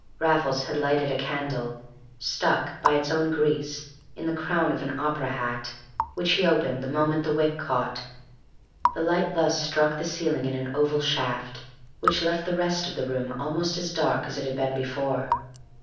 Raffles had lighted a candle, stuck (by its own grease) in the crown of an opera hat, which he opened the moment the wick caught. The light thus struck the ceiling in an oval shaft, which left the rest of the room almost as dark as it had been before.